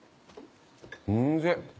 おいしい。